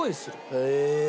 へえ。